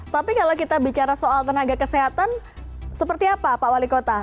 tapi kalau kita bicara soal tenaga kesehatan seperti apa pak wali kota